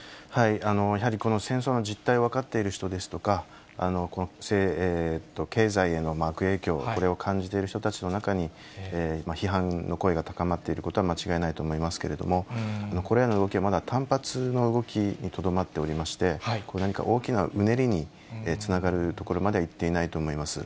やはりこの戦争の実態を分かっている人ですとか、経済への悪影響、これを感じている人たちの中に、批判の声が高まっていることは間違いないと思いますけれども、これらの動きはまだ単発の動きにとどまっておりまして、何か大きなうねりにつながるところまではいっていないと思います。